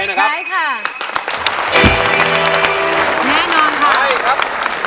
ใช้ครับแมนนอนครับใช้นะครับใช้ครับ